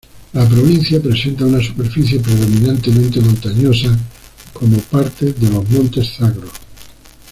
La provincia presenta una superficie predominantemente montañosa, como parte de los montes Zagros.